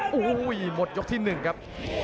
โอ้โหหมดยกที่๑ครับ